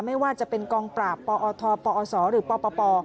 ไม่ว่าจะเป็นกองปราบปอทปอศหรือปป